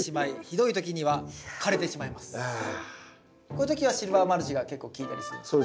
こういう時はシルバーマルチが結構効いたりするんですか？